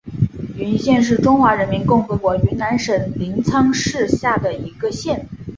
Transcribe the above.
云县是中华人民共和国云南省临沧市下属的一个县。